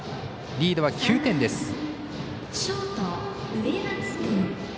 リードは９点です。